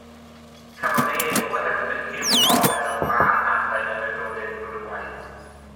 Cafodd ei enw oherwydd y lliw oren ar flaen adain yr oedolyn gwrywaidd.